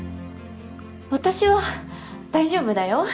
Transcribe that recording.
私は大丈夫だよ。